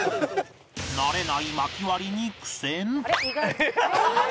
慣れない薪割りに苦戦「」